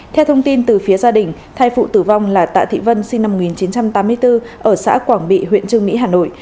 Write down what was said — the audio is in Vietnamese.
theo thông tin từ phía gia đình thai phụ tử vong là tạ thị vân sinh năm một nghìn chín trăm tám mươi bốn ở xã quảng bị huyện trương mỹ hà nội